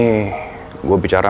ini gua bicara